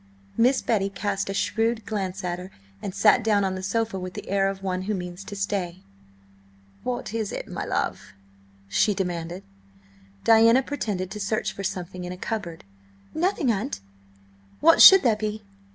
Miss Betty cast a shrewd glance at her, and sat down on the sofa with the air of one who means to stay. "What is it, my love?" she demanded. Diana pretended to search for something in a cupboard. "Nothing, aunt! What should there be?"